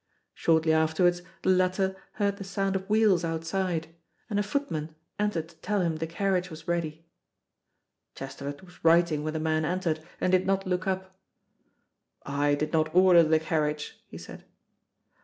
Shortly afterwards the latter heard the sound of wheels outside, and a footman entered to tell him the carriage was ready. Chesterford was writing when the man entered, and did not look up. "I did not order the carriage," he said.